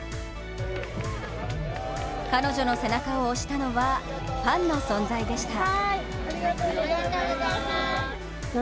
彼女の背中を押したのはファンの存在でした。